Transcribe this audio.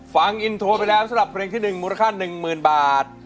ฟังอินโทรไปแล้วสำหรับเพลงที่๑มูลค่า๑๐๐๐บาท